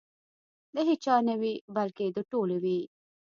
د هیچا نه وي بلکې د ټولو وي.